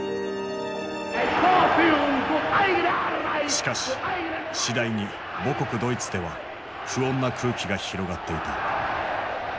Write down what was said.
しかし次第に母国ドイツでは不穏な空気が広がっていた。